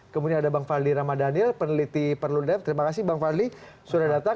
kemudian ada bang fadli ramadhanil peneliti perludem terima kasih bang fadli sudah datang